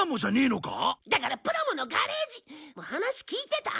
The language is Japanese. だからプラモのガレージ話聞いてた？